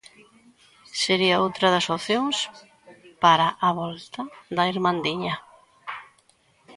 Sería outra das opcións para a volta da Irmandiña.